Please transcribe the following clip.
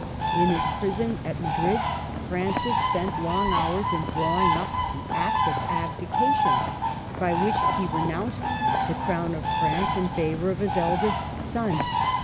In his prison at Madrid Francis spent long hours in drawing up the act of abdication by which he renounced the crown of France in favor of his eldest son.